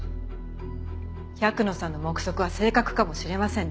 百野さんの目測は正確かもしれません。